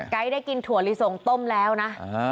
ได้กินถั่วลิสงต้มแล้วนะ